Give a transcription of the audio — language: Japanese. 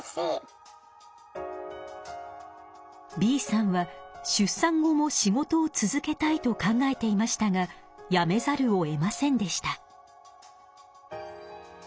Ｂさんは出産後も仕事を続けたいと考えていましたがやめざるをえませんでした。